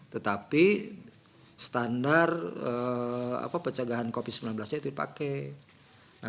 tetapi standar pencegahan covid sembilan belas nya itu dipakai